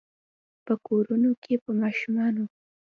په کورونو کې به ماشومانو،